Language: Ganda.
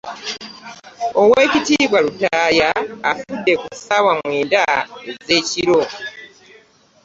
Oweekitiibwa Lutaaya afudde ku ssaawa mwenda ez'ekiro.